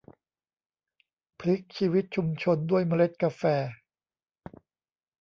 พลิกชีวิตชุมชนด้วยเมล็ดกาแฟ